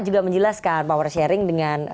juga menjelaskan power sharing dengan